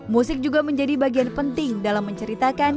musik juga menjadi bagian penting dalam menceritakan